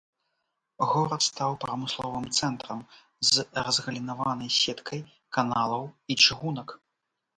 Горад стаў прамысловым цэнтрам з разгалінаванай сеткай каналаў і чыгунак.